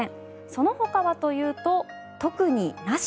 そのほかはというと特になし。